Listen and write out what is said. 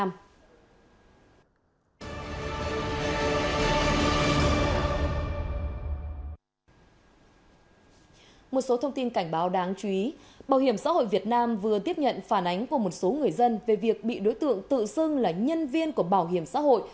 một số thông tin cảnh báo đáng chú ý bảo hiểm xã hội việt nam vừa tiếp nhận phản ánh của một số người dân về việc bị đối tượng tự xưng là nhân viên của bảo hiểm xã hội